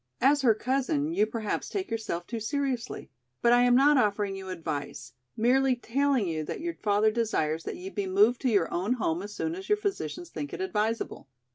As her cousin you perhaps take yourself too seriously. But I am not offering you advice, merely telling you that your father desires that you be moved to your own home as soon as your physicians think it advisable.